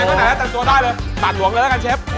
ใดก็ไหนแต่ตัวได้เลยบาทหวงดีลิ้วหลังกันเชฟ